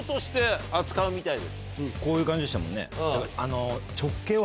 こういう感じでしたもんねだから。